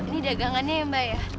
ini dagangannya ya mbak ya